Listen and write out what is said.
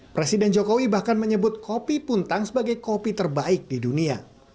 presiden jokowi bahkan menyebut kopi puntang sebagai kopi terbaik di dunia